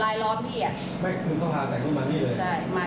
ว่าคุณต้องเคลียร์งนะคุณผิด